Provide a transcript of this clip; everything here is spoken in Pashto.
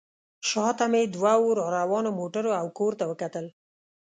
شا ته مې دوو راروانو موټرو او کور ته وکتل.